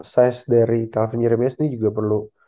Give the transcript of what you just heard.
size dari calvin nyerimia sendiri juga perlu